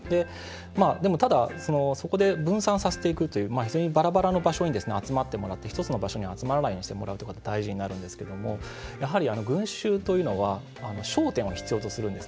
でもただそこで分散させていくっていうバラバラの場所に集まってもらって１つの場所に集まらないようにしてもらうということが大事になるんですけどもやはり群集というのは焦点を必要とするんです。